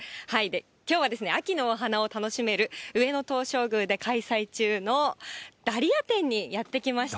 きょうは秋のお花を楽しめる上野東照宮で開催中のダリア展にやって来ました。